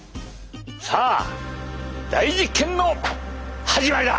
さあ大実験の始まりだ！